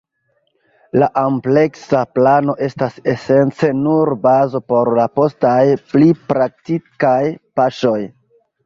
La ampleksa plano estas esence nur bazo por la postaj, pli praktikaj paŝoj.